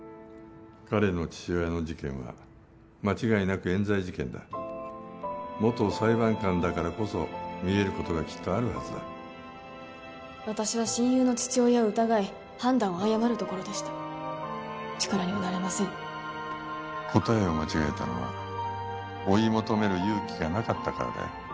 彼の父親の事件は間違いなくえん罪事件だ元裁判官だからこそ見えることがきっとあるはずだ私は親友の父親を疑い判断を誤るところでした力にはなれません答えを間違えたのは追い求める勇気がなかったからだよ